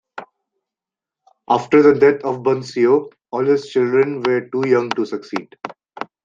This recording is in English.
After the death of Bunseo, all his children were too young to succeed.